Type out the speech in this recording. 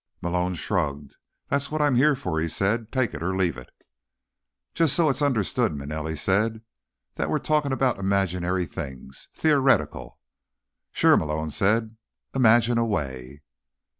Malone shrugged. "That's what I'm here for," he said. "Take it or leave it." "Just so it's understood," Manelli said, "that we're talking about imaginary things. Theoretical." "Sure," Malone said. "Imagine away."